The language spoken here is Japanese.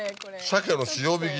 鮭の塩引き。